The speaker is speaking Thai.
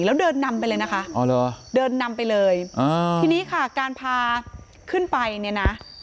แล้วเดินนำไปเลยนะคะเดินนำไปเลยอ่าทีนี้ค่ะการพาขึ้นไปเนี่ยนะ